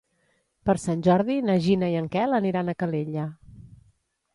Per Sant Jordi na Gina i en Quel aniran a Calella.